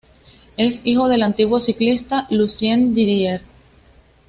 Es hijo del antiguo ciclista, Lucien Didier.